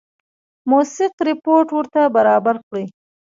موثق رپوټ ورته برابر کړي.